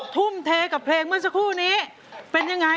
ทุ่มเทกับเพลงเมื่อสักครู่นี้เป็นยังไง